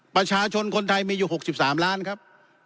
ประชาชนคนไทยมีอยู่๖๓ล้านครับ